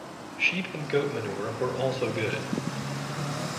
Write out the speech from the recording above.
Sheep and goat manure were also good.